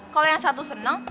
kalo yang satu seneng